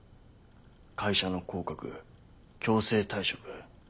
会社の降格強制退職。